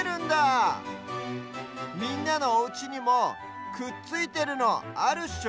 みんなのおうちにもくっついてるのあるっしょ？